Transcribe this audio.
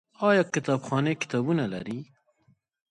آیا کتابخانې کتابونه لري؟